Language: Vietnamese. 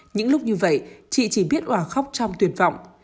những lúc như vậy chị chỉ biết hòa khóc trong tuyển vọng